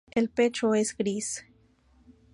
El pecho es gris.